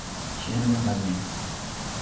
সেখানে কোনো কাজ নাই।